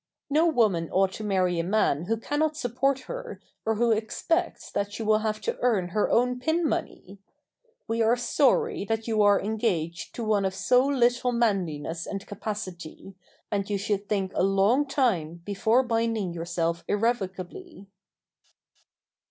No woman ought to marry a man who cannot support her or who expects that she will have to earn her own pin money. We are sorry that you are engaged to one of so little manliness and capacity, and you should think a long time before binding yourself irrevocably.